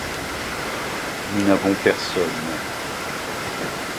Nous n'avons personne.